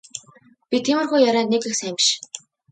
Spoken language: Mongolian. Би тиймэрхүү ярианд нэг их сайн биш.